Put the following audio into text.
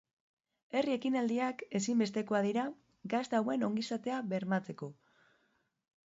Herri ekinaldiak ezinbestekoak dira gazte hauen ongizatea bermatzeko.